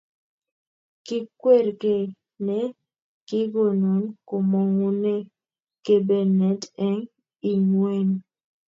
Kikwer kei ne kikonun komong'une kebenet eng ing'weny.